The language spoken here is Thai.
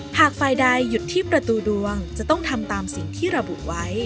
หากฝ่ายใดหยุดที่ประตูดวงจะต้องทำตามสิ่งที่ระบุไว้